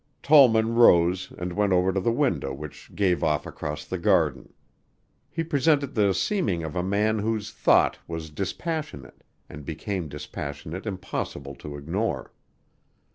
Tollman rose and went over to the window which gave off across the garden. He presented the seeming of a man whose thought was dispassionate, and because dispassionate impossible to ignore.